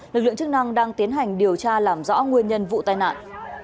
lực lượng chức năng đang tiến hành điều tra làm rõ nguyên nhân vụ tai nạn